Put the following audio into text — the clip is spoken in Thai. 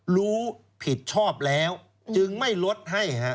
รู้ผิดชอบแล้วจึงไม่ลดให้ฮะ